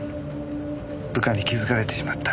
部下に気づかれてしまった。